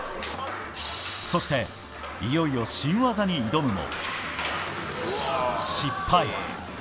そして、いよいよ新技に挑むも失敗。